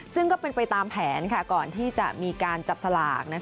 ซึ่งก็เป็นไปตามแผนก่อนที่จะมีการจับสลาก